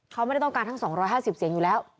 เขาไม่ได้ต้องการทั้ง๒๕๐เสียงอยู่แล้ว